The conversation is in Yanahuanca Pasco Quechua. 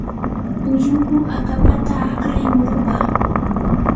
ulluku akapata akray murupa.